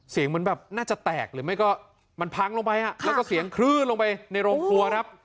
เหมือนแบบน่าจะแตกหรือไม่ก็มันพังลงไปแล้วก็เสียงคลื่นลงไปในโรงครัวครับ